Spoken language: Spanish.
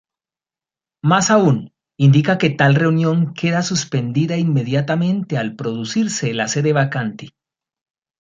Más aún, indica que tal reunión queda suspendida inmediatamente al producirse la sede vacante.